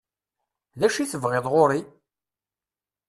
D acu i tebɣiḍ ɣur-i?